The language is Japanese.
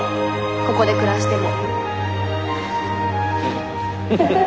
ここで暮らしても。